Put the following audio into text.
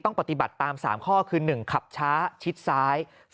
ปฏิบัติตาม๓ข้อคือ๑ขับช้าชิดซ้าย